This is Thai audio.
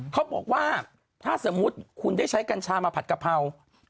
เขาบอกว่าถ้าสมมุติคุณได้ใช้กัญชามาผัดกะเพรา